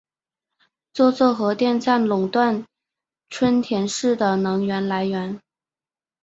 这座核电站垄断春田市的能源来源。